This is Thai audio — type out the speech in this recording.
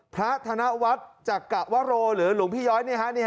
พระธนวัฒน์จากกะวะโรหรือหลวงพี่ย้อย